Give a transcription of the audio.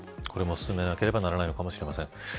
これも進めなければならないのかもしれません。